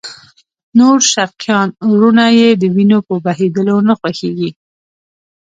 نور شرقیان وروڼه یې د وینو په بهېدلو نه خوږېږي.